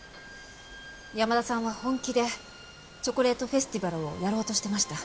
山田さんは本気でチョコレートフェスティバルをやろうとしてました。